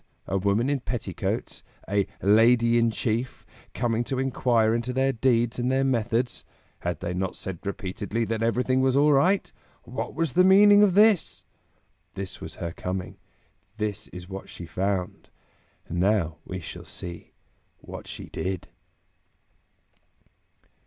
A woman in petticoats, a "Lady in Chief," coming to inquire into their deeds and their methods? Had they not said repeatedly that everything was all right? What was the meaning of this? This was her coming; this is what she found; now we shall see what she did.